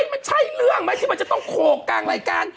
มันใช่เรื่องไหมที่มันจะต้องโขกกลางรายการ